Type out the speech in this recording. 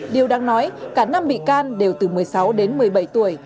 điều đáng nói cả năm bị can đều từ một mươi sáu đến một mươi bảy tuổi